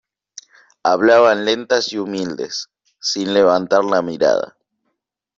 hablaban lentas y humildes, sin levantar la mirada: